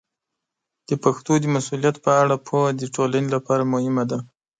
د پښتو د مسوولیت په اړه پوهه د ټولنې لپاره مهمه ده.